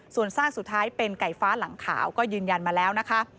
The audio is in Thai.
ส่วนซากสุดท้ายเป็นไก่ฟ้าหลังขาวก็ยืนยันมาแล้วนะคะ